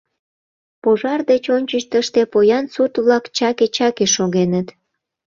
Пожар деч ончыч тыште поян сурт-влак чаке-чаке шогеныт.